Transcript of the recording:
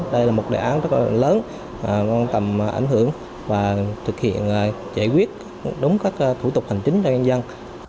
đây là một đề án rất lớn quan tầm ảnh hưởng và thực hiện giải quyết đúng các thủ tục hành chính cho nhân dân